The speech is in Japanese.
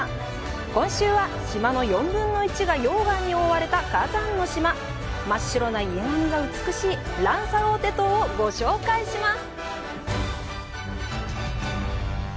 今週は、島の４分の１が溶岩に覆われた火山の島、真っ白な家並みが美しいランサローテ島をご紹介します。